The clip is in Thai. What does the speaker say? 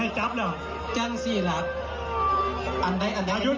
ทีนี้ก็เลยต้องเรียกเจ้าหน้าที่ตรวจจริง